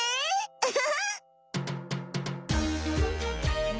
ウフフ！